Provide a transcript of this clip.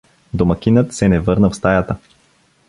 Домакинът се не върна в стаята.